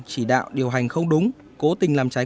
chỉ đạo điều hành không đúng cố tình làm cháy